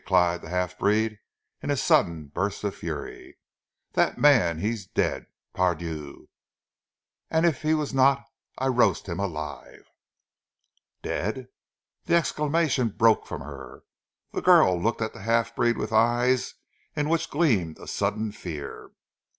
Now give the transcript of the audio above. cried the half breed in a sudden burst of fury. "Dat man he ees dead, Par Dieu! an' eef he was not, I roast heem alive!" "Dead!" As the exclamation broke from her, the girl looked at the half breed with eyes in which gleamed a sudden fear.